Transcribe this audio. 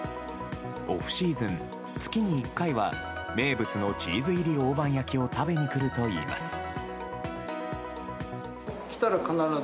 オフシーズン、月に１回は名物のチーズ入り大判焼きを食べに来るといいます。